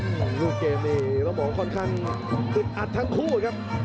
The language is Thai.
อืมรูปเกมนี้ประมาณค่อนข้างตื่นอัดทั้งคู่ครับ